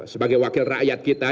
sebagai wakil rakyat kita